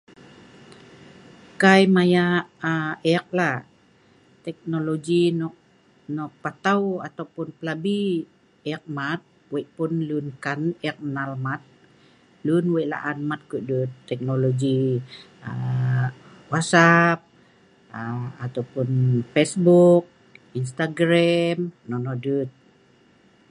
kai maya' um eek la, teknologi nok nok patau ataupun plabi eek mat, wei' pun lun nkan eek nnal mat, lun wei' la'an mat teknologi kudeut teknologi um wasap um ataupun facebook, instagram nonoh dut